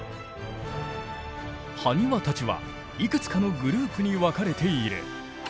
ハニワたちはいくつかのグループに分かれている。